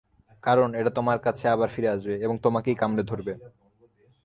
কারণ, এটা তোমার কাছে আবার ফিরে আসবে এবং তোমাকেই কামড়ে ধরবে।